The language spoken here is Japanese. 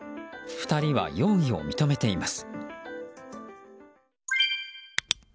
２人は容疑を認めています。